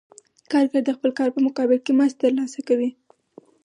کارګر د خپل کار په مقابل کې مزد ترلاسه کوي